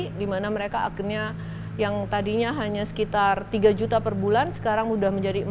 karena mereka akhirnya yang tadinya hanya sekitar tiga juta per bulan sekarang sudah menjadi empat tiga m